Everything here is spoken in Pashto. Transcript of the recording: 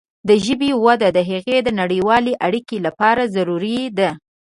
د ژبې وده د هغې د نړیوالې اړیکې لپاره ضروري ده.